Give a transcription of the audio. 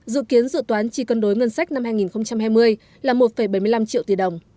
dự kiến dự toán chi cân đối ngân sách năm hai nghìn hai mươi là một bảy mươi năm triệu tỷ đồng